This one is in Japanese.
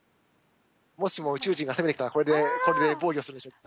もしも宇宙人が攻めてきたらこれで防御するでしょう。